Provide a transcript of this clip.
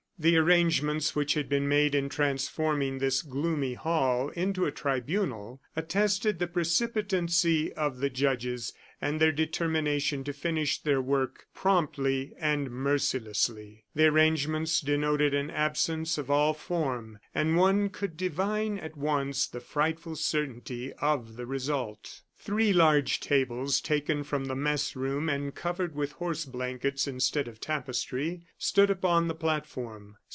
The arrangements which had been made in transforming this gloomy hall into a tribunal, attested the precipitancy of the judges and their determination to finish their work promptly and mercilessly. The arrangements denoted an absence of all form; and one could divine at once the frightful certainty of the result. Three large tables taken from the mess room, and covered with horse blankets instead of tapestry, stood upon the platform.